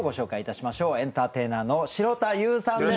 エンターテイナーの城田優さんです。